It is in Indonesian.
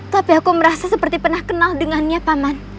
tapi aku merasa seperti pernah kenal dengannya paman